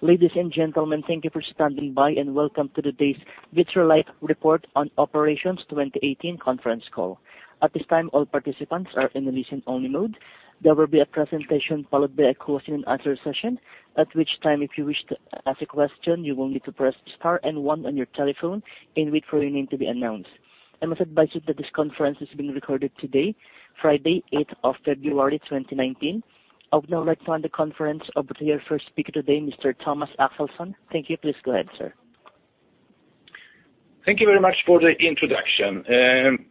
Ladies and gentlemen, thank you for standing by. Welcome to today's Vitrolife Report on Operations 2018 Conference Call. At this time, all participants are in a listen-only mode. There will be a presentation followed by a question and answer session, at which time, if you wish to ask a question, you will need to press star one on your telephone and wait for your name to be announced. I must advise you that this conference is being recorded today, Friday, 8th of February, 2019. I would now like to hand the conference over to your first speaker today, Mr. Thomas Axelsson. Thank you. Please go ahead, sir. Thank you very much for the introduction.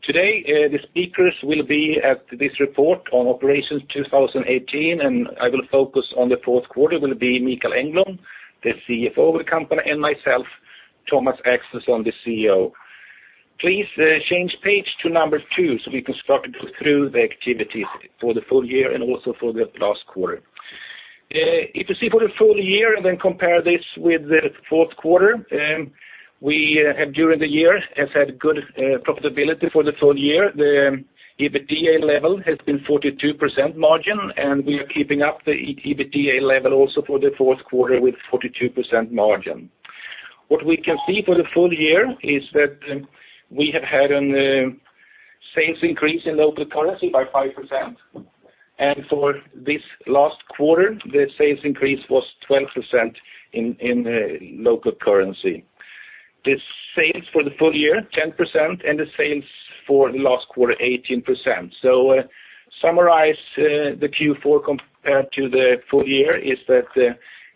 Today, the speakers will be at this report on operations 2018, and I will focus on the Q4, will be Mikael Engblom, the CFO of the company, and myself, Thomas Axelsson, the CEO. Please, change page to number two, so we can start go through the activities for the full year and also for the last quarter. If you see for the full year and then compare this with the Q4, we have during the year, have had good profitability for the full year. The EBITDA level has been 42% margin, and we are keeping up the EBITDA level also for the Q4 with 42% margin. What we can see for the full year is that we have had an sales increase in local currency by 5%, and for this last quarter, the sales increase was 12% in local currency. The sales for the full year, 10%, and the sales for the last quarter, 18%. Summarize the Q4 compared to the full year is that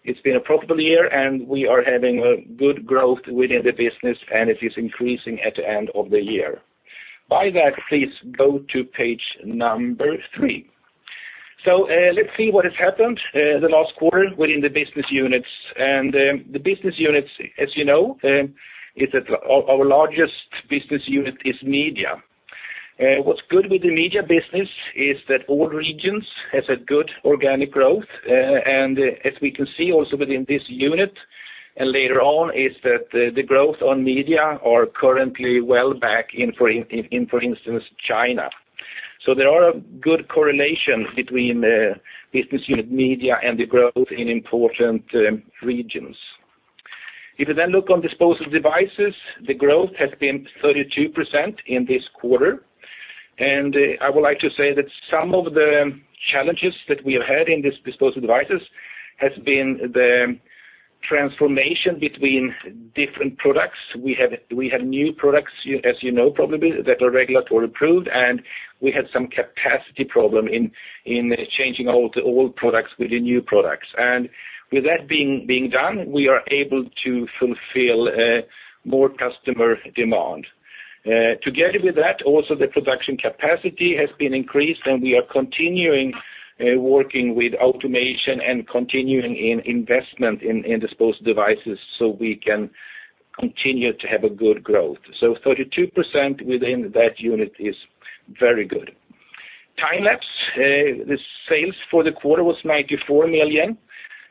it's been a profitable year, and we are having a good growth within the business, and it is increasing at the end of the year. By that, please go to page number three. Let's see what has happened the last quarter within the business units. The business units, as you know, is that our largest business unit is Media. What's good with the media business is that all regions has a good organic growth, as we can see also within this unit and later on, is that the growth on media are currently well back in for instance, China. There are a good correlation between the business unit media and the growth in important regions. If you look on disposable devices, the growth has been 32% in this quarter. I would like to say that some of the challenges that we have had in this disposable devices has been the transformation between different products. We have new products, as you know, probably, that are regulatory approved, and we had some capacity problem in changing old products with the new products. With that being done, we are able to fulfill more customer demand. Together with that, also the production capacity has been increased, and we are continuing working with automation and continuing in investment in disposable devices, so we can continue to have a good growth. 32% within that unit is very good. Timelapse, the sales for the quarter was 94 million,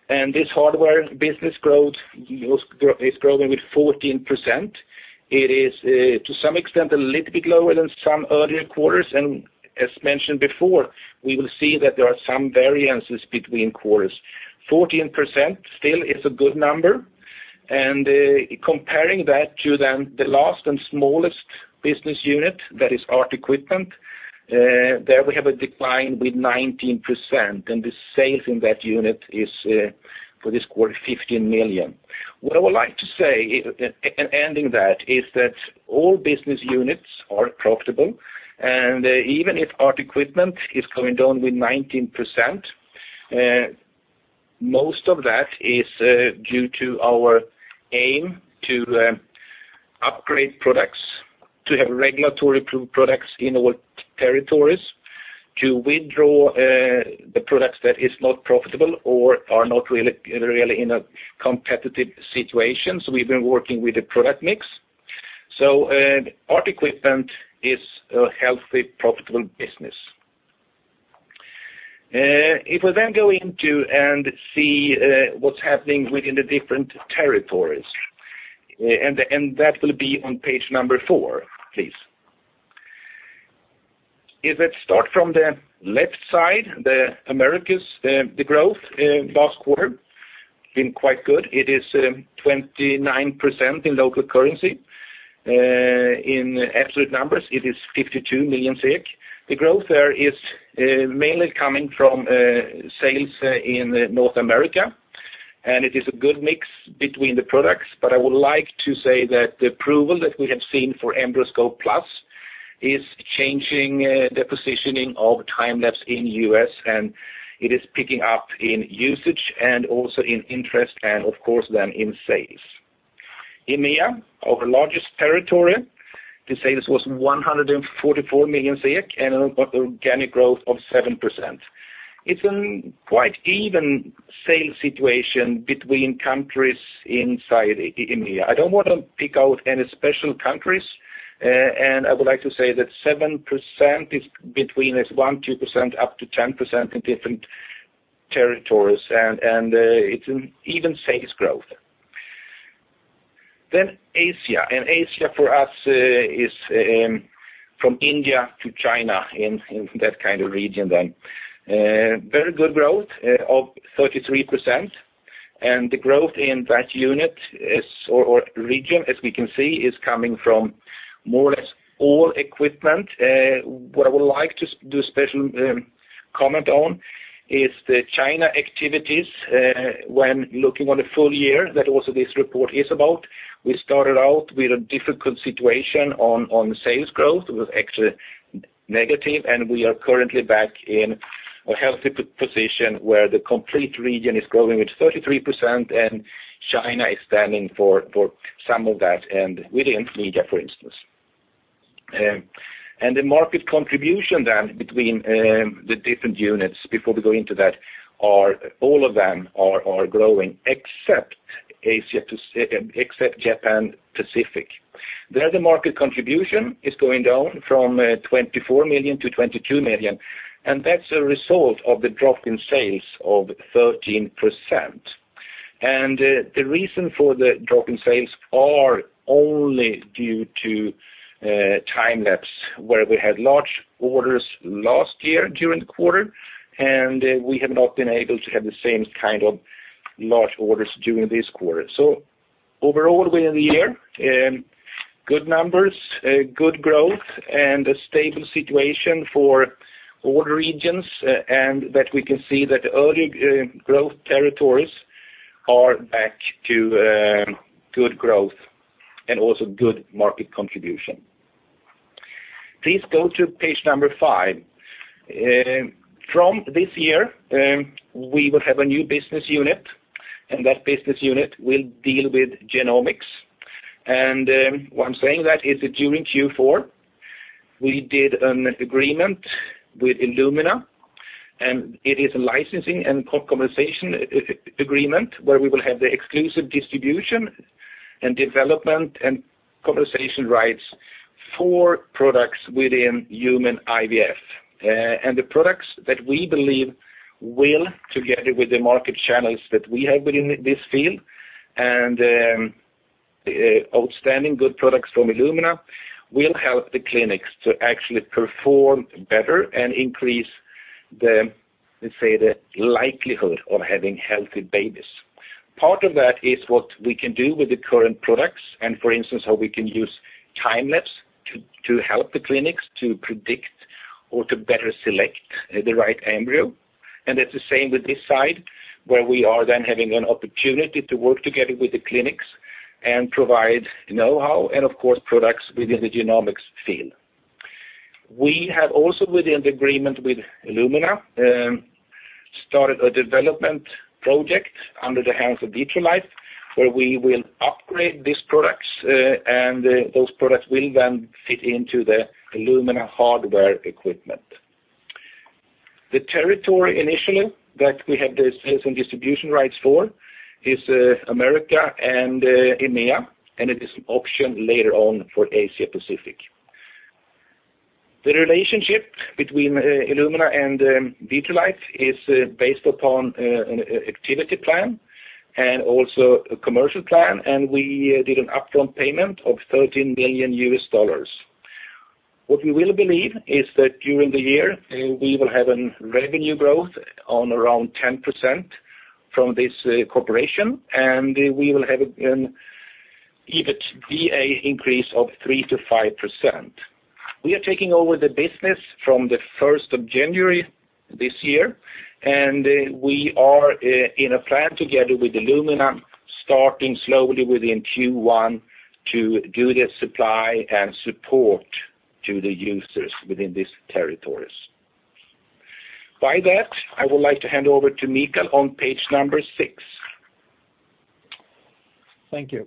and this hardware business growth is growing with 14%. It is to some extent, a little bit lower than some earlier quarters, and as mentioned before, we will see that there are some variances between quarters. 14% still is a good number. Comparing that to then the last and smallest business unit, that is ART Equipment, there we have a decline with 19%, and the sales in that unit is for this quarter, 15 million. What I would like to say, in ending that, is that all business units are profitable, and even if ART Equipment is going down with 19%, most of that is due to our aim to upgrade products, to have regulatory approved products in all territories, to withdraw the products that is not profitable or are not really in a competitive situation. We've been working with the product mix. ART Equipment is a healthy, profitable business. If we then go into and see what's happening within the different territories, that will be on page number four, please. If let's start from the left side, the Americas, the growth last quarter been quite good. It is 29% in local currency. In absolute numbers, it is 52 million. The growth there is mainly coming from sales in North America, and it is a good mix between the products. I would like to say that the approval that we have seen for EmbryoScope+ is changing the positioning of Timelapse in U.S., and it is picking up in usage and also in interest, and of course, then in sales. EMEA, our largest territory, the sales was 144 million SEK and an organic growth of 7%. It's an quite even sales situation between countries inside EMEA. I don't want to pick out any special countries, and I would like to say that 7% is between this 1%, 2%, up to 10% in different territories, and it's an even sales growth. Asia, and Asia for us, is from India to China, in that kind of region. Very good growth of 33%, and the growth in that unit is, or region, as we can see, is coming from more or less all equipment. What I would like to do a special comment on is the China activities when looking on the full year, that also this report is about. We started out with a difficult situation on sales growth. It was actually negative, and we are currently back in a healthy position, where the complete region is growing with 33%, and China is standing for some of that, and within media, for instance. The market contribution then between the different units, before we go into that, are all of them are growing, except Japan Pacific. There, the market contribution is going down from 24 million to 22 million, and that's a result of the drop in sales of 13%. The reason for the drop in sales are only due to Timelapse, where we had large orders last year during the quarter, and we have not been able to have the same kind of large orders during this quarter. Overall, we're in the year, good numbers, good growth, and a stable situation for all regions, and that we can see that early growth territories are back to good growth and also good market contribution. Please go to page five. From this year, we will have a new business unit, and that business unit will deal with genomics. Why I'm saying that is that during Q4, we did an agreement with Illumina, and it is a licensing and compensation agreement, where we will have the exclusive distribution and development and compensation rights for products within human IVF. The products that we believe will, together with the market channels that we have within this field, and outstanding good products from Illumina, will help the clinics to actually perform better and increase the, let's say, the likelihood of having healthy babies. Part of that is what we can do with the current products, and for instance, how we can use Timelapse to help the clinics to predict or to better select the right embryo. It's the same with this side, where we are then having an opportunity to work together with the clinics and provide know-how, and of course, products within the genomics field. We have also, within the agreement with Illumina, started a development project under the hands of Vitrolife, where we will upgrade these products, and those products will then fit into the Illumina hardware equipment. The territory initially that we have the sales and distribution rights for is America and EMEA, and it is optioned later on for Asia Pacific. The relationship between Illumina and Vitrolife is based upon an activity plan and also a commercial plan, and we did an upfront payment of $13 billion. What we will believe is that during the year, we will have an revenue growth on around 10% from this cooperation, and we will have an EBITDA increase of 3%-5%. We are taking over the business from the 1st of January this year, and we are in a plan together with Illumina, starting slowly within Q1 to do the supply and support to the users within these territories. By that, I would like to hand over to Mikael on page number six. Thank you.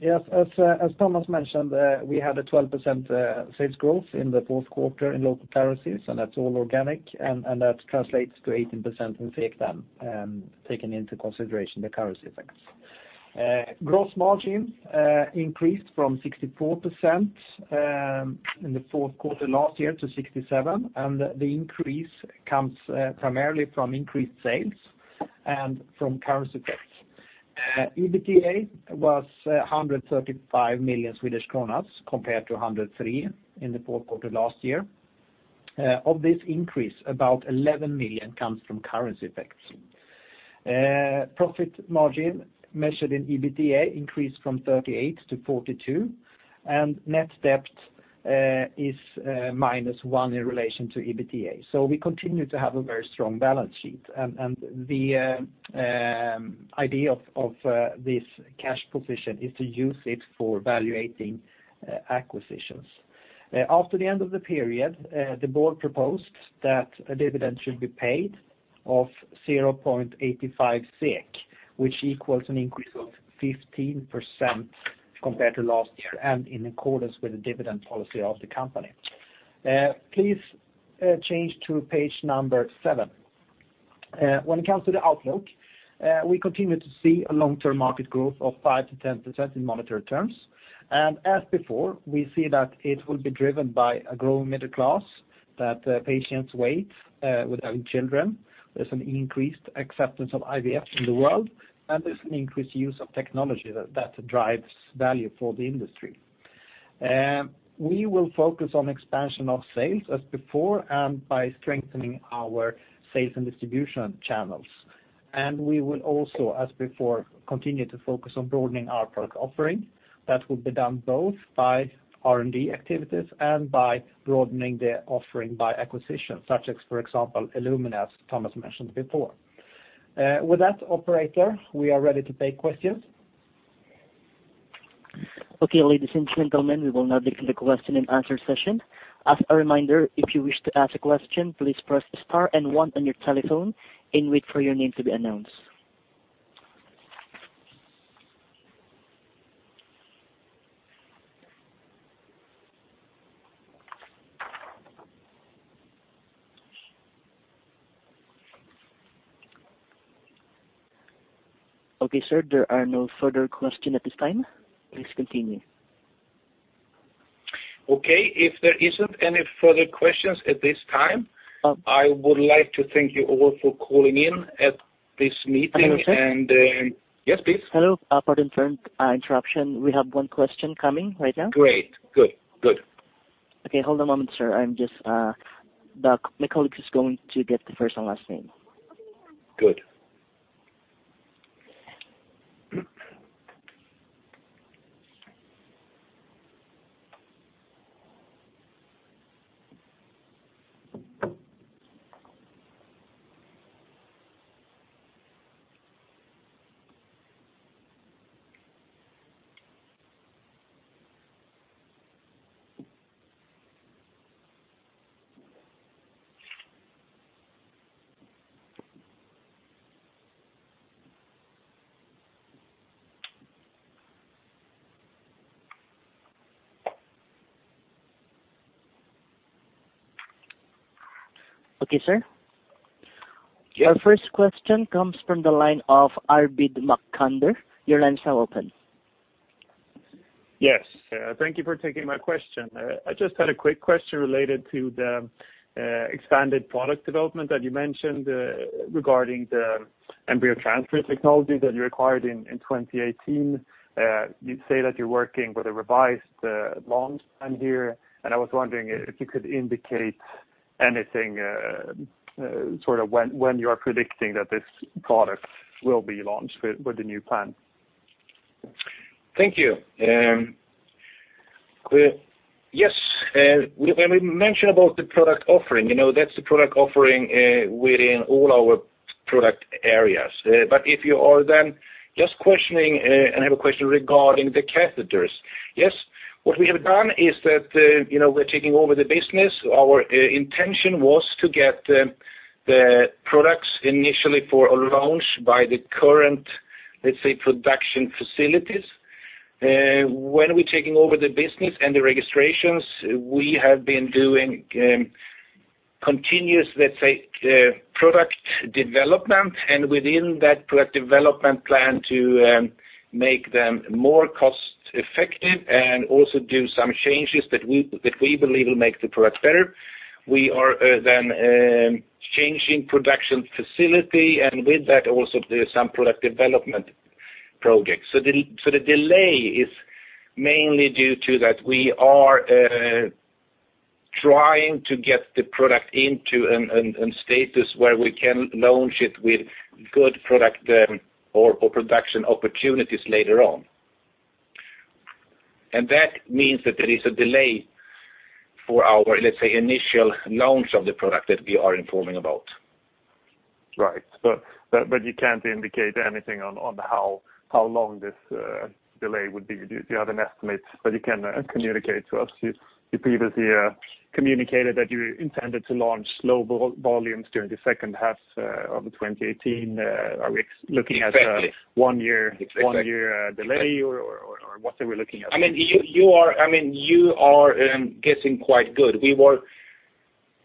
Yes, as Thomas mentioned, we had a 12% sales growth in the Q4 in local currencies, and that's all organic, and that translates to 18% in SEK, taking into consideration the currency effects. Gross margin increased from 64% in the Q4 last year to 67%, and the increase comes primarily from increased sales and from currency effects. EBITDA was 135 million Swedish kronor, compared to 103 million in the Q4 last year. Of this increase, about 11 million comes from currency effects. Profit margin, measured in EBITDA, increased from 38% to 42%, and net debt is minus one in relation to EBITDA. We continue to have a very strong balance sheet, and the idea of this cash position is to use it for valuating acquisitions. After the end of the period, the board proposed that a dividend should be paid of 0.85 SEK, which equals an increase of 15% compared to last year and in accordance with the dividend policy of the company. Please change to page number seven. When it comes to the outlook, we continue to see a long-term market growth of 5%-10% in monetary terms, and as before, we see that it will be driven by a growing middle class, that patients wait without children. There's an increased acceptance of IVF in the world, and there's an increased use of technology that drives value for the industry. We will focus on expansion of sales as before, and by strengthening our sales and distribution channels. We will also, as before, continue to focus on broadening our product offering. That will be done both by R&D activities and by broadening the offering by acquisition, such as, for example, Illumina, as Thomas mentioned before. With that, operator, we are ready to take questions. Okay, ladies and gentlemen, we will now begin the question and answer session. As a reminder, if you wish to ask a question, please press star one on your telephone and wait for your name to be announced. Okay, sir, there are no further question at this time. Please continue. Okay. If there isn't any further questions at this time, I would like to thank you all for calling in at this meeting. Hello, sir. Yes, please. Hello. Pardon for interruption. We have one question coming right now. Great. Good. Good. Okay. Hold a moment, sir. I'm just my colleague is going to get the first and last name. Good. Okay, sir. Yes. Your first question comes from the line of Arvid Necander. Your line is now open. Yes, thank you for taking my question. I just had a quick question related to the expanded product development that you mentioned regarding the embryo transfer technology that you acquired in 2018. You say that you're working with a revised launch plan here, I was wondering if you could indicate anything sort of when you are predicting that this product will be launched with the new plan? Thank you. Yes, when we mention about the product offering, you know, that's the product offering within all our product areas. If you are then just questioning and have a question regarding the catheters, yes, what we have done is that, you know, we're taking over the business. Our intention was to get the products initially for a launch by the current, let's say, production facilities. We're taking over the business and the registrations, we have been doing continuous, let's say, product development, and within that product development plan to make them more cost effective and also do some changes that we, that we believe will make the product better. We are then changing production facility, and with that, also do some product development projects. The delay is mainly due to that we are trying to get the product into a status where we can launch it with good product or production opportunities later on. That means that there is a delay for our, let's say, initial launch of the product that we are informing about. Right. You can't indicate anything on how long this delay would be? Do you have an estimate that you can communicate to us? You previously communicated that you intended to launch low volumes during the second half of 2018. Are we looking at? Exactly. One year delay or, what are we looking at? I mean, you are guessing quite good. We were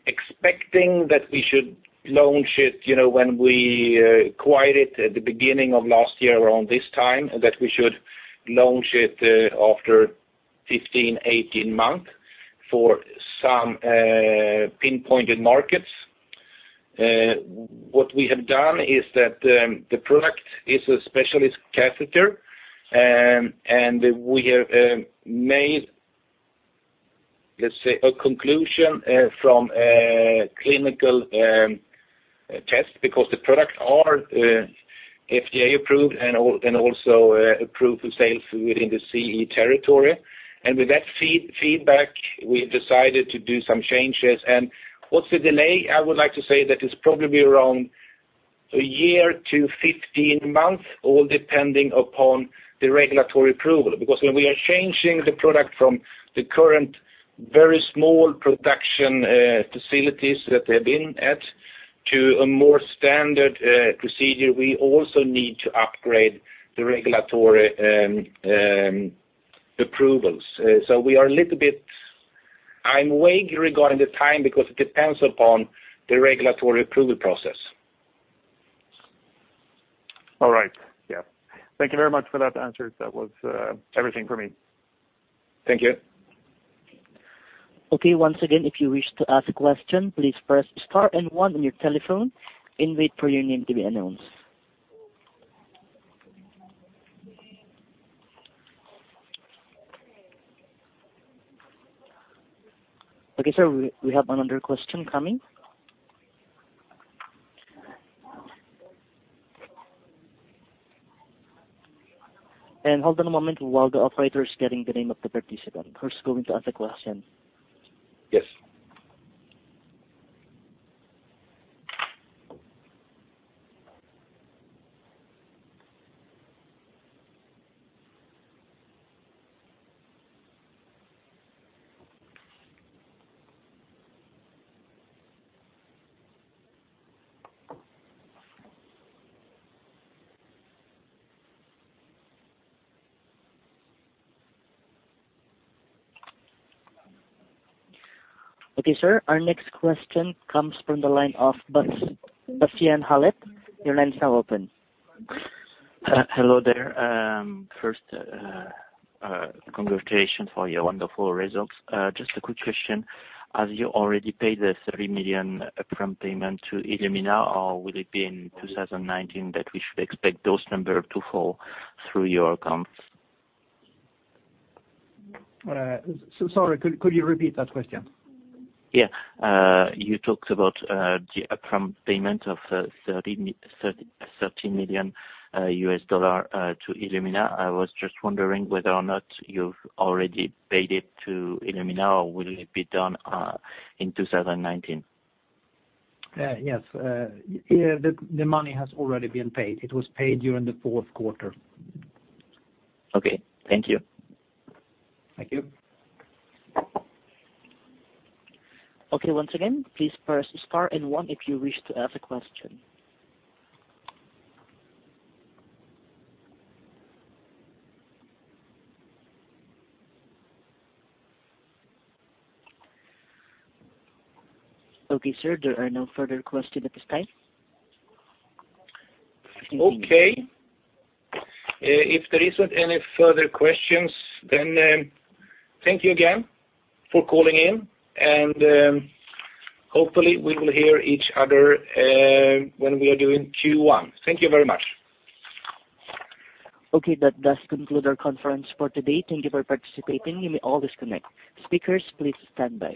expecting that we should launch it, you know, when we acquired it at the beginning of last year, around this time, that we should launch it after 15, 18 months for some pinpointed markets. What we have done is that the product is a specialist catheter, and we have made, let's say, a conclusion from a clinical test because the products are FDA approved and also approved for sale within the CE territory. With that feedback, we decided to do some changes. What's the delay? I would like to say that it's probably around a year to 15 months, all depending upon the regulatory approval. When we are changing the product from the current very small production facilities that they've been at, to a more standard procedure, we also need to upgrade the regulatory approvals. I'm vague regarding the time because it depends upon the regulatory approval process. All right. Yeah. Thank you very much for that answer. That was everything for me. Thank you. Okay. Once again, if you wish to ask a question, please press star and one on your telephone and wait for your name to be announced. Okay, sir, we have another question coming. Hold on a moment while the operator is getting the name of the participant who's going to ask a question. Yes. Okay, sir, our next question comes from the line of Bas, Bastian Gries. Your line is now open. Hello there. First, congratulations for your wonderful results. Just a quick question, have you already paid the $30 million upfront payment to Illumina, or will it be in 2019 that we should expect those numbers to fall through your accounts? Sorry, could you repeat that question? Yeah. You talked about the upfront payment of $30 million to Illumina. I was just wondering whether or not you've already paid it to Illumina, or will it be done in 2019? Yes, the money has already been paid. It was paid during the Q4. Okay. Thank you. Thank you. Okay, once again, please press star and one if you wish to ask a question. Okay, sir, there are no further questions at this time. Okay. If there isn't any further questions, then, thank you again for calling in, and, hopefully, we will hear each other when we are doing Q1. Thank you very much. Okay, that does conclude our conference for today. Thank you for participating. You may all disconnect. Speakers, please stand by.